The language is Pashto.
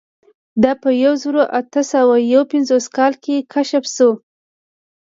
دا په یوه زرو اتو سوو یو پنځوسم کال کې کشف شول.